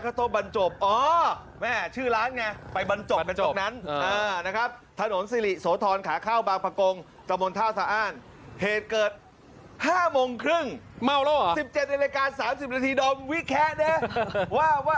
เม่าแล้วหรอ๑๗นาฬิกาสามสิบนาทีโดมวิแคะเนี่ยว่าว่า